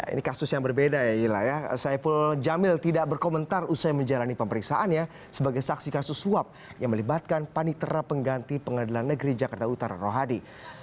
ini kasus yang berbeda ya ila ya saiful jamil tidak berkomentar usai menjalani pemeriksaannya sebagai saksi kasus suap yang melibatkan panitera pengganti pengadilan negeri jakarta utara rohadi